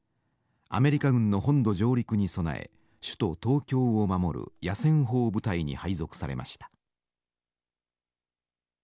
アメリカ軍の本土上陸に備え首都東京を守る野戦砲部隊に配属されました。